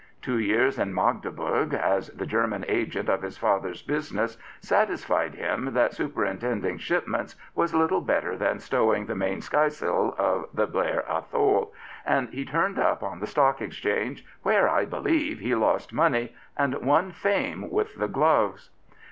Two years in Magdeburg as the German agent of his father's business satisfied him that superintending shipments was little better than stowing the main skysail of the Blair Athol, and he turned up on the Stock Exchange, where, I believe, he lost money, and won fame with the gloves.